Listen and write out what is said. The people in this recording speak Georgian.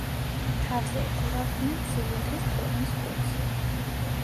თავზე იხურავდნენ ცილინდრის ფორმის ქუდს.